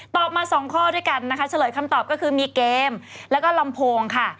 มาสองข้อด้วยกันนะคะเฉลยคำตอบก็คือมีเกมแล้วก็ลำโพงค่ะ